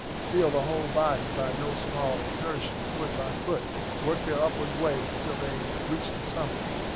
Still the whole body, by no small exertion, foot by foot, worked their upward way till they reached the summit.